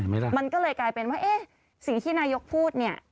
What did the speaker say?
มันก็เลยกลายเป็นว่าเอ๊ะสิ่งที่นายกพูดเนี่ย